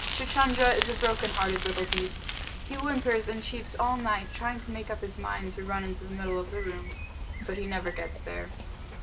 Chuchundra is a broken hearted little beast. He whimpers and cheeps all the night, trying to make up his mind to run into the middle of the room. But he never gets there.